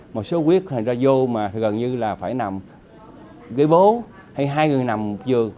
một số huyết hình ra vô mà gần như là phải nằm gây bố hay hai người nằm giường